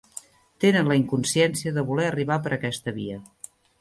Tenen la inconsciència de voler arribar per aquesta via.